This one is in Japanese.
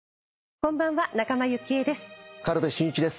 こんばんは仲間由紀恵です。